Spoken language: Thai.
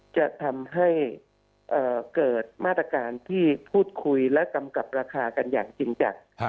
จะทำให้เกิดมาตรการที่พูดคุยและกำกับราคากันอย่างจริงจัง